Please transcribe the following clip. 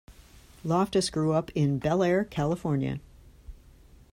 Loftus grew up in Bel Air, California.